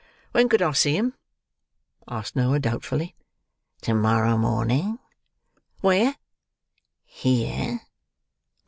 "When could I see him?" asked Noah doubtfully. "To morrow morning." "Where?" "Here."